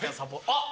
あっ！